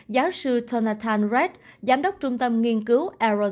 giáo sư jonathan redd giám đốc trung tâm nghiên cứu